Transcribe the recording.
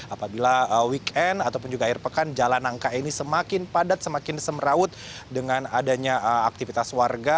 apabila weekend ataupun juga air pekan jalan nangka ini semakin padat semakin semeraut dengan adanya aktivitas warga